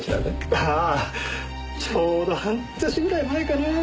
ああちょうど半年ぐらい前かな。